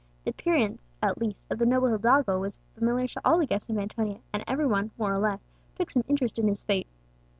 The appearance, at least, of the noble hidalgo was familiar to all the guests of Antonia, and every one, more or less, took some interest in his fate.